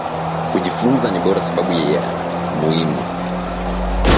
Kuji funza ni bora sababu niya muimu